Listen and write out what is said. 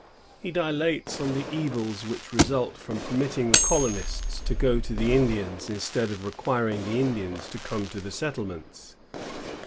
He dilates on the evils which result from permitting the colonists to go to the Indians instead of requiring the Indians to come to the settlements.